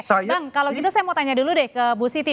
bang kalau gitu saya mau tanya dulu deh ke bu siti